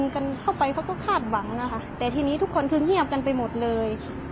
มันเกรียบกันไปหมดเลย